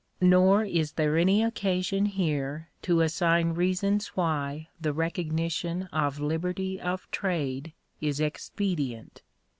Nor is there any occasion here to assign reasons why the recognition of liberty of trade is expe dient.